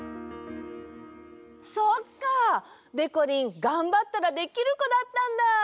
そっか！でこりんがんばったらできるこだったんだ！